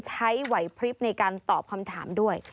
ใช้ไหวพลิบในการตอบคำถามด้วย